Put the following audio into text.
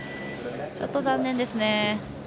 ちょっと残念ですね。